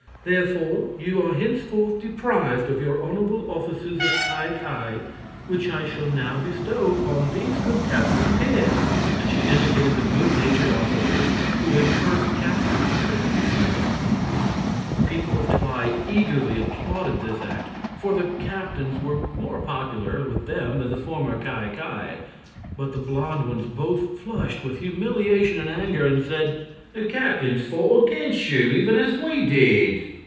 Therefore, you are henceforth deprived of your honorable offices of Ki Ki, which I shall now bestow upon these good captains here," and she indicated the good natured officers who had first captured the prince and Nerle. The people of Twi eagerly applauded this act, for the captains were more popular with them than the former Ki Ki; but the blond ones both flushed with humiliation and anger, and said: "The captains fought against you, even as we did."